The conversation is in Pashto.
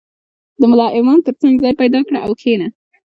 • د ملا امام تر څنګ ځای پیدا کړه او کښېنه.